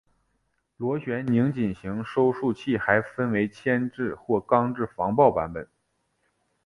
螺旋拧紧型收束器还分为铅制或钢制防爆版本。